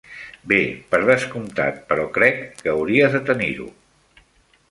Bé, per descomptat, però crec que hauries de tenir-ho.